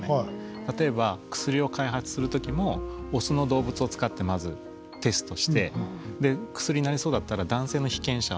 例えば薬を開発する時もオスの動物を使ってまずテストして薬になりそうだったら男性の被験者を集めて